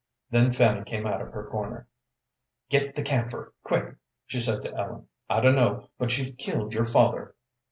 Then Fanny came out of her corner. "Get the camphor, quick!" she said to Ellen. "I dun'no' but you've killed your father."